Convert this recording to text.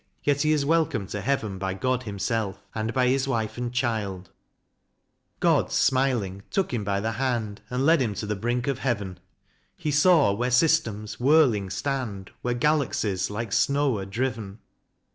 Yet he is welcomed to Heaven by God himself, and by his wife and child: God, smiling, took him by the hand, And led him to the brink of heaven : He saw where systems whirling stand, Where galaxies like snow are driven.